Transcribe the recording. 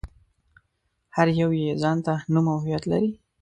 هر يو يې ځان ته نوم او هويت لري.